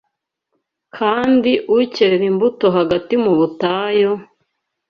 kandi ukerera imbuto hagati mu butayu